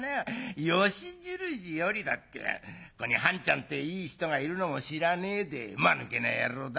ここに半ちゃんてえいい人がいるのも知らねえでまぬけな野郎だ。